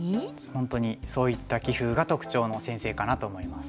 本当にそういった棋風が特徴の先生かなと思います。